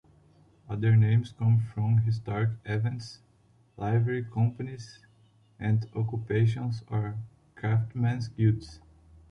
Other names come from historic events, livery companies, and occupations or craftsmen's guilds.